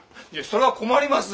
それは困ります。